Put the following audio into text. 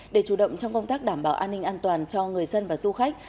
để chủ động trong công tác đảm bảo an ninh an toàn cho người dân và du khách